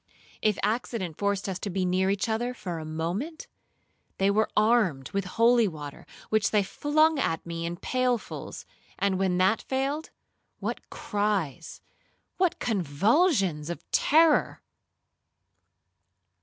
If accident forced us to be near each other for a moment, they were armed with holy water, which they flung at me in pailfuls; and when that failed, what cries,—what convulsions of terror!